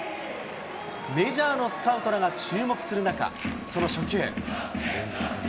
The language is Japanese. メジャーのスカウトらが注目する中、その初球。